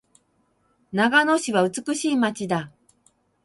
長野市は美しい街だ。